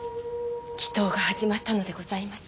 祈祷が始まったのでございます。